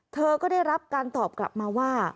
เธอก็ได้รับการตอบกลับมาว่า